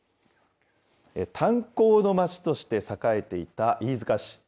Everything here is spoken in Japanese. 炭鉱の街として栄えていた飯塚市。